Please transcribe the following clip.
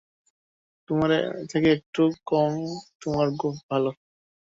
তোমার থেকে একটু কম তোমার গোঁফ ভালো।